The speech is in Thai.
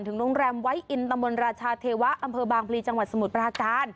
โรงแรมไวทอินตำบลราชาเทวะอำเภอบางพลีจังหวัดสมุทรปราการ